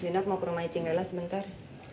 dinok mau ke rumah icing lela sebentar